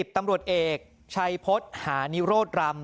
ตำรวจเอกชัยพฤษหานิโรธรำ